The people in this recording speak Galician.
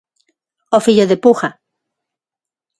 O fillo de Puga.